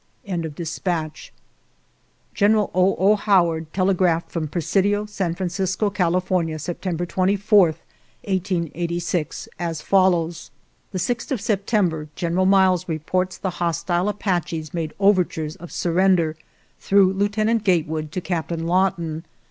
General O. O. Howard telegraphed from [Presidio, San Francisco, California, Sep tember 24, 1886, as follows: "... The 6th of September General Miles reports the hostile Apaches made overtures of surrender, through Lieutenant Gatewood, to Captain Lawton.